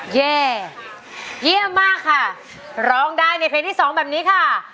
แย่เยี่ยมมากค่ะร้องได้ในเพลงที่สองแบบนี้ค่ะ